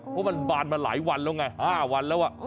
เพราะมันบานมาหลายวันแล้วไง๕วันแล้ว